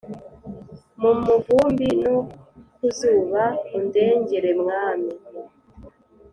Mu muvumbi no kuzuba undengere mwami